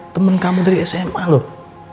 temen kamu dari sma loh